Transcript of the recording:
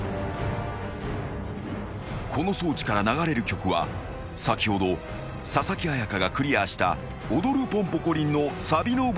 ［この装置から流れる曲は先ほど佐々木彩夏がクリアした『おどるポンポコリン』のサビの部分］